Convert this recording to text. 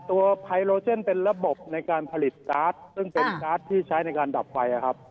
ตัวไพโลเจนเป็นระบบในการผลิตการ์ดซึ่งเป็นการ์ดที่ใช้ในการดับไฟครับ